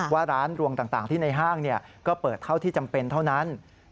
ว่าร้านรวงต่างที่ในห้างก็เปิดเท่าที่จำเป็นเท่านั้น